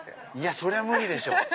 そりゃ無理でしょ。